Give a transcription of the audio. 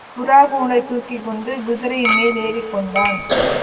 புறாக்கூண்டைத் தூக்கிக்கொண்டு குதிரையின்மேல் ஏறிக் கொண்டான்.